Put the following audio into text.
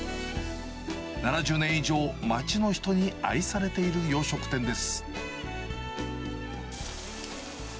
７０年以上、街の人に愛されている洋食店です。